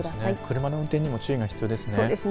車の運転にも注意が必要ですね。